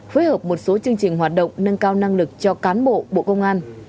phối hợp một số chương trình hoạt động nâng cao năng lực cho cán bộ bộ công an